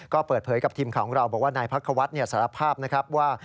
ก็เปิดเผยกับทีมของเราความว่านายพักขวัดเนี่ยสารภาพนะครับว่า